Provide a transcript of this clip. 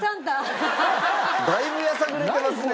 だいぶやさぐれてますね。